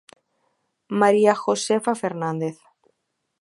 María Josefa Fernández.